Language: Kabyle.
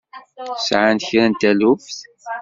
Sɛant kra n taluft?